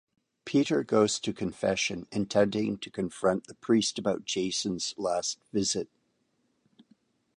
Peter goes to Confession, intending to confront the priest about Jason's last visit.